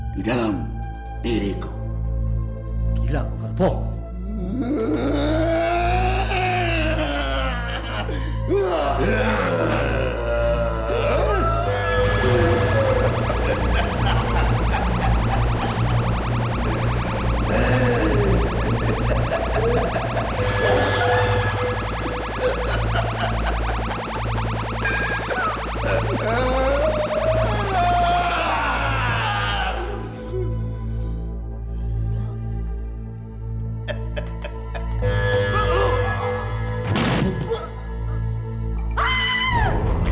sampai jumpa di video selanjutnya